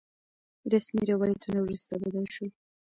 رسمي روايتونه وروسته بدل شول.